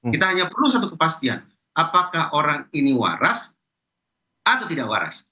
kita hanya perlu satu kepastian apakah orang ini waras atau tidak waras